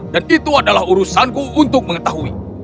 dan itu adalah urusanku untuk mengetahui